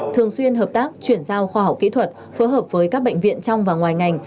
thường xuyên hợp tác chuyển giao khoa học kỹ thuật phối hợp với các bệnh viện trong và ngoài ngành